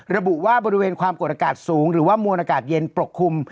ระบุว่าบริเวณความกดอากาศสูงหรือว่ามวลอากาศเย็นปกคลุม